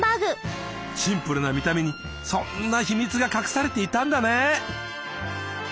シンプルな見た目にそんな秘密が隠されていたんだね。